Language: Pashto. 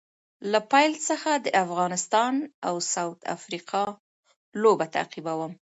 له پیل څخه د افغانستان او ساوت افریقا لوبه تعقیبوم